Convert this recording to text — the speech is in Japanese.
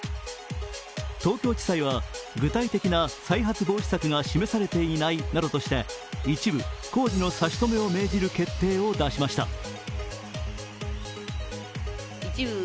東京地裁は具体的な再発防止策が示されていないなどとして一部、工事の差し止めを命じる決定を出しました。